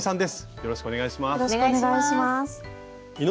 よろしくお願いします。